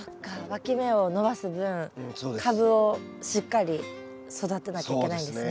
わき芽を伸ばす分株をしっかり育てなきゃいけないんですね。